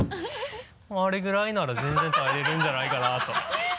あれぐらいなら全然耐えれるんじゃないかなと。